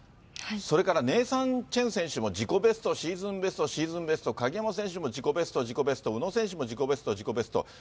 それからネイサン・チェン選手も自己ベスト、シーズンベスト、シーズンベスト、鍵山選手も自己ベスト、自己ベスト、宇野選手も自己ベスト、自己ベスト。